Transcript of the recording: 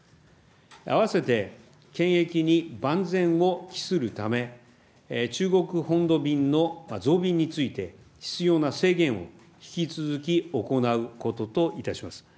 併せて検疫に万全を期するため、中国本土便の増便について、必要な制限を引き続き行うことといたします。